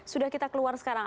sudah kita keluar sekarang